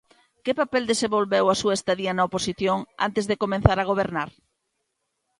Que papel desenvolveu a súa estadía na oposición antes de comezar a gobernar?